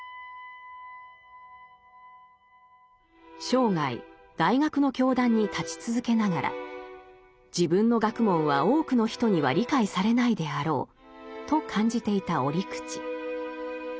生涯大学の教壇に立ち続けながら自分の学問は多くの人には理解されないであろうと感じていた折口。